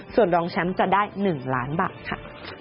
ส่วนรองแชมป์จะได้๑ล้านบาทค่ะ